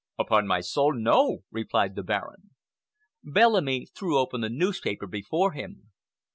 "Upon my soul, no!" replied the Baron. Bellamy threw open the newspaper before him.